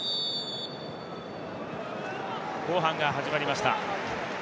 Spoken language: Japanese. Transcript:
後半が始まりました。